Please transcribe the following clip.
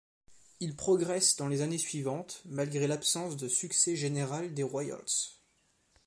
Il progresse dans les années suivantes, malgré l'absence de succès général des Royals.